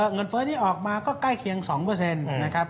เงินเฟ้อที่ออกมาก็ใกล้เคียง๒นะครับ